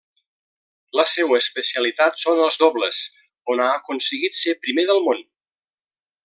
La seua especialitat són els dobles, on ha aconseguit ser primer del món.